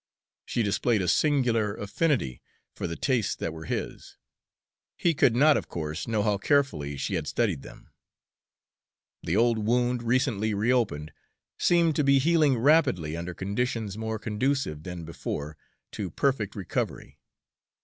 She displayed a singular affinity for the tastes that were his he could not, of course, know how carefully she had studied them. The old wound, recently reopened, seemed to be healing rapidly, under conditions more conducive than before to perfect recovery.